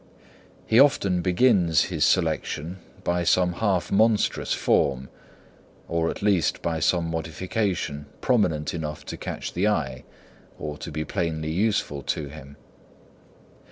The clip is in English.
He often begins his selection by some half monstrous form, or at least by some modification prominent enough to catch the eye or to be plainly useful to him.